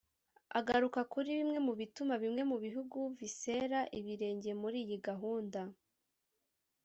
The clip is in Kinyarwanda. agaruka kuri bimwe mu bituma bimwe mu bihugu visera ibirenge muri iyi gahunda